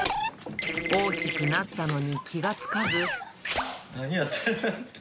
大きくなったのに気がつかず。